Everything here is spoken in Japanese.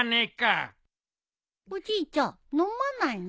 おじいちゃん飲まないの？